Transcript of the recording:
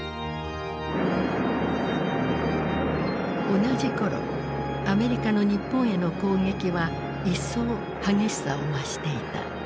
同じ頃アメリカの日本への攻撃は一層激しさを増していた。